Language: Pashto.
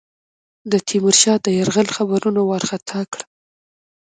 د تیمورشاه د یرغل خبرونو وارخطا کړه.